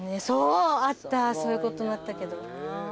そうあったそういうこともあったけど。